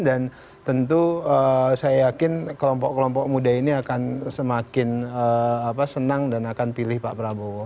dan tentu saya yakin kelompok kelompok muda ini akan semakin senang dan akan pilih pak prabowo